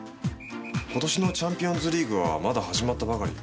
今年のチャンピオンズリーグはまだ始まったばかり。